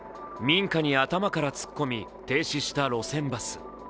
民家に頭から突っ込み停止した路線バス。